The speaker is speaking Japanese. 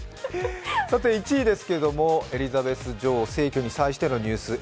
１位ですけれども、エリザベス女王逝去に際してのニュース。